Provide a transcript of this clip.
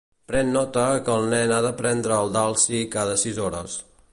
Pren nota que el nen ha de prendre el Dalsy cada sis hores.